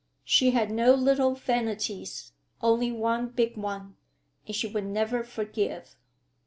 She had no little vanities, only one big one, and she would never forgive.